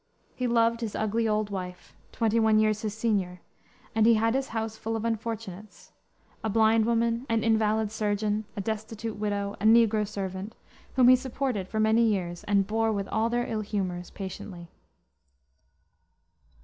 He loved his ugly, old wife twenty one years his senior and he had his house full of unfortunates a blind woman, an invalid surgeon, a destitute widow, a negro servant whom he supported for many years, and bore with all their ill humors patiently.